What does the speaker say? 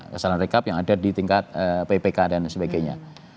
kesalahan rekap yang ada di tingkat ppk dan sebagainya